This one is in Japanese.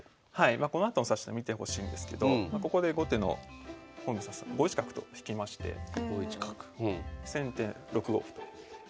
このあとの指し手見てほしいんですけどここで後手の本因坊算砂さん５一角と引きまして先手６五歩と。